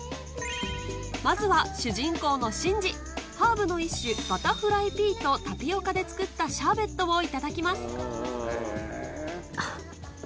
まずは主人公のシンジハーブの一種バタフライピーとタピオカで作ったシャーベットをいただきますあっ。